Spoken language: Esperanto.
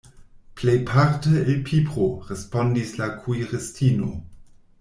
"Plejparte el pipro," respondis la kuiristino.